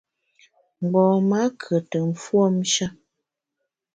Mgbom-a kùete mfuomshe.